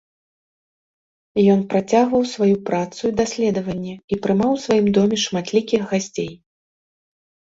Ён працягваў сваю працу і даследаванні і прымаў у сваім доме шматлікіх гасцей.